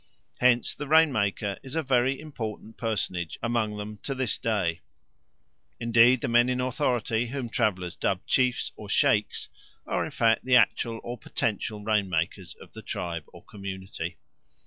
Hence the rain maker is a very important personage among them to this day; indeed the men in authority whom travellers dub chiefs or sheikhs are in fact the actual or potential rain makers of the tribe or community.